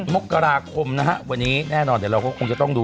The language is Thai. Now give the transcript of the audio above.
มกราคมนะฮะวันนี้แน่นอนเดี๋ยวเราก็คงจะต้องดู